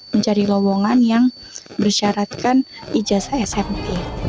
mencari lowongan yang bersyaratkan ijazah smp